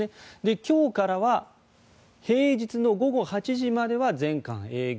今日からは平日の午後８時までは全館営業。